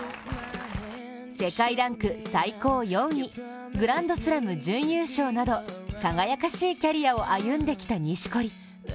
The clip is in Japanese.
世界ランク最高４位、グランドスラム準優勝など輝かしいキャリアを歩んできた錦織。